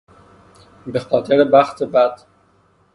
به خاطر بخت بد